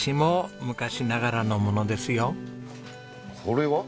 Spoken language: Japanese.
これは？